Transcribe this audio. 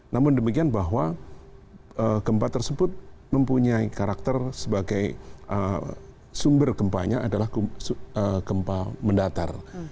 namun demikian bahwa gempa tersebut mempunyai karakter sebagai sumber gempanya adalah gempa mendatar